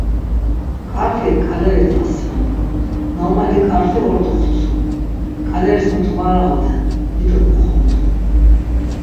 ǩarfi ǩaleri t̆asinon, normali ǩarfi ordo xtsun, ǩaleris mutu var ağoden, dido nuxondun.